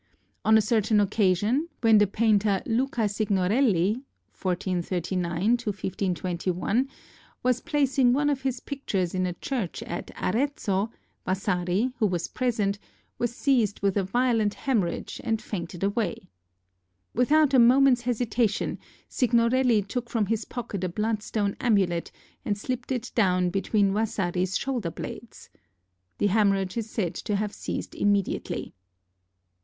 On a certain occasion, when the painter Luca Signorelli (1439 1521) was placing one of his pictures in a church at Arezzo, Vasari, who was present, was seized with a violent hemorrhage and fainted away. Without a moment's hesitation, Signorelli took from his pocket a bloodstone amulet and slipped it down between Vasari's shoulder blades. The hemorrhage is said to have ceased immediately.